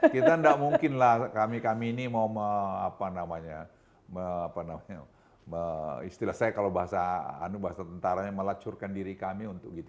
kita tidak mungkin lah kami kami ini mau apa namanya istilah saya kalau bahasa anu bahasa tentaranya melacurkan diri kami untuk gitu